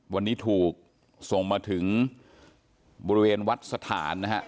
วันนี้ถูกส่งมาถึงบริเวณวัดสถานนะฮะ